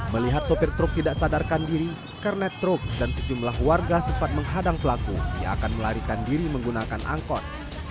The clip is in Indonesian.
melihat sopir truk tidak sadarkan diri kernet truk dan sejumlah warga sempat menghadang pelaku yang akan melarikan diri menggunakan angkot